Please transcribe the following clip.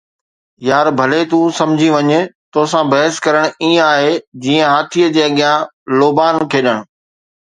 يار، ڀلي تون سمهي وڃ، توسان بحث ڪرڻ ائين آهي جيئن هاٿي جي اڳيان لوبان کيڏڻ.